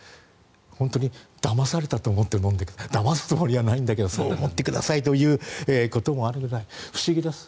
本当にだまされたと思って飲んでくださいだますつもりはないんだけどそう思ってくださいと思うくらい不思議です。